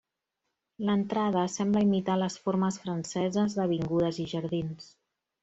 L'entrada sembla imitar les formes franceses d'avingudes i jardins.